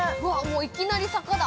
◆いきなり坂だ。